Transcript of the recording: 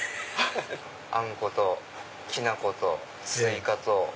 あんこときな粉とスイカと。